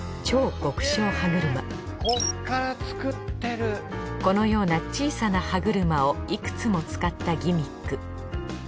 なんとこのような小さな歯車をいくつも使ったギミック。